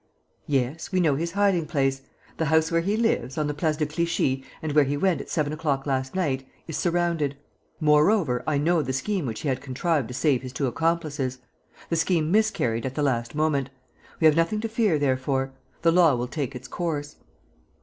"Yes, we know his hiding place. The house where he lives, on the Place de Clichy, and where he went at seven o'clock last night, is surrounded. Moreover, I know the scheme which he had contrived to save his two accomplices. The scheme miscarried at the last moment. We have nothing to fear, therefore. The law will take its course."